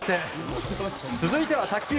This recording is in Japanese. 続いては卓球。